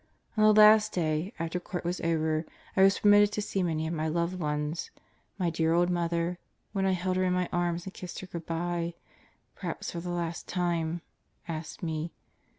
... On the last day, after Court was over, I was permitted to see many of my loved ones ... my dear old mother, when I held her in my arms and kissed her good by perhaps for the last time asked me